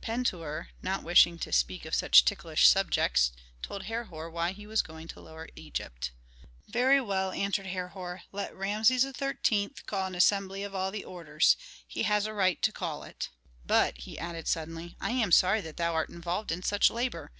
Pentuer, not wishing to speak of such ticklish subjects, told Herhor why he was going to Lower Egypt. "Very well," answered Herhor, "let Rameses XIII. call an assembly of all the orders. He has a right to call it." "But," he added suddenly, "I am sorry that thou art involved in such labor.